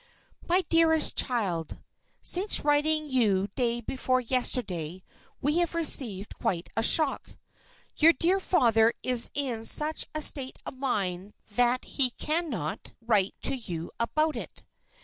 "My dearest child: "Since writing you day before yesterday, we have received quite a shock. Your dear father is in such a state of mind that he cannot write to you about it.